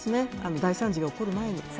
大惨事が起こる前に。